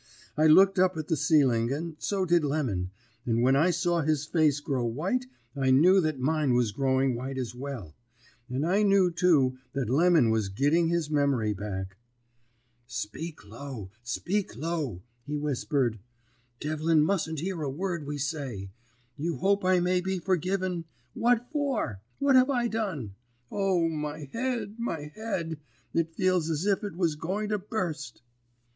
I looked up at the ceiling, and so did Lemon, and when I saw his face grow white I knew that mine was growing white as well; and I knew, too, that Lemon was gitting his memory back. "'Speak low, speak low,' he whispered. 'Devlin mustn't hear a word we say. You hope I may be forgiven! For what? What have I done? O, my head, my head! It feels as if it was going to burst!'